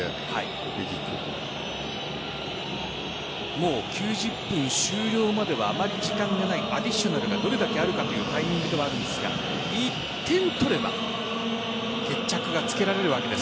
もう９０分終了まではあまり時間がないアディショナルがどれだけあるかというタイミングではあるんですが１点取れば決着がつけられるわけです。